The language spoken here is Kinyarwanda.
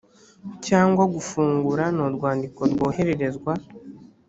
cyangwa gufunga ni urwandiko rwohererezwa